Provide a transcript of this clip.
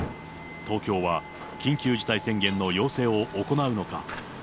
東京は緊急事態宣言の要請を行うのか。